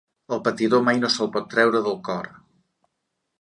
El patidor mai no se'l pot treure del cor.